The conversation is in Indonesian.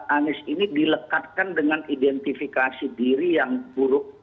anies ini dilekatkan dengan identifikasi diri yang buruk